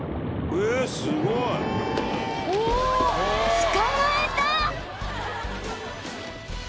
［捕まえた］